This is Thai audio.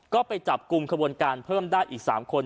ก็ไปจับกลุ่มขบวนการเพิ่มได้อีก๓คน